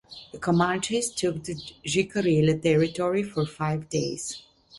The comanches took the Jicarilla territory for five days.